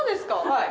はい。